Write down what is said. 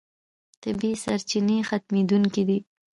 طبیعي سرچینې ختمېدونکې دي.